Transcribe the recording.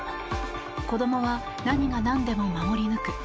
子供は何が何でも守り抜く。